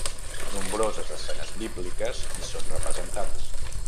Nombroses escenes bíbliques hi són representades.